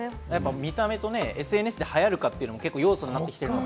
見た目とＳＮＳで映えるかというのも要素になってきています。